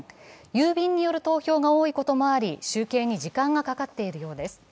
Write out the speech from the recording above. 郵便による投票が多いこともあり集計に時間がかかっているようです。